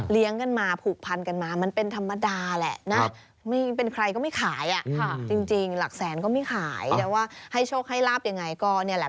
เลี้ยงกันมาผูกพันกันมามันเป็นธรรมดาแหละนะ